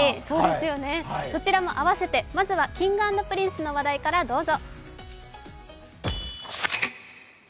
そちらも合わせて、まずはＫｉｎｇ＆Ｐｒｉｎｃｅの話題からどうぞ。